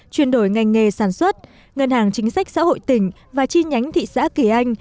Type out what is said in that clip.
chuyển đổi ngành nghề sản xuất ngân hàng chính sách xã hội tỉnh và chi nhánh thị xã kỳ anh